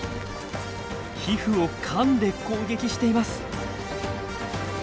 皮膚をかんで攻撃しています。